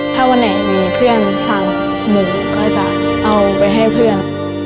ถ้าวันไหนมีเพื่อน๓โมงก็จะเอาไปให้เพื่อน